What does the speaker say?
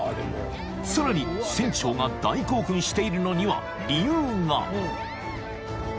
［さらに船長が大興奮しているのには理由が］